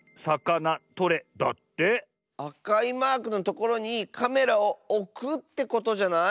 あかいマークのところにカメラをおくってことじゃない？